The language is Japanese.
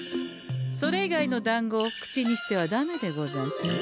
それ以外のだんごを口にしてはダメでござんすよ。